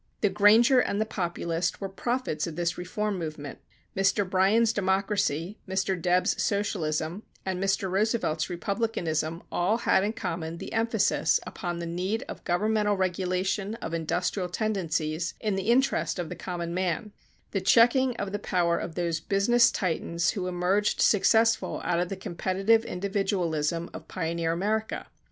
The Granger and the Populist were prophets of this reform movement. Mr. Bryan's Democracy, Mr. Debs' Socialism, and Mr. Roosevelt's Republicanism all had in common the emphasis upon the need of governmental regulation of industrial tendencies in the interest of the common man; the checking of the power of those business Titans who emerged successful out of the competitive individualism of pioneer America.